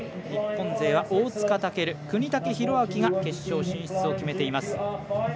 日本勢は大塚健、國武大晃が決勝進出を決めています。